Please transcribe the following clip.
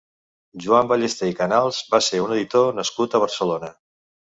Joan Ballester i Canals va ser un editor nascut a Barcelona.